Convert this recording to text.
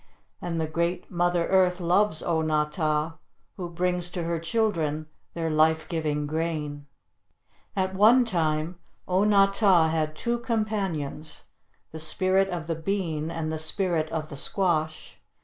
And the great Mother Earth loves O na tah, who brings to her children their life giving grain. At one time O na tah had two companions, the Spirit of the Bean and the Spirit of the Squash.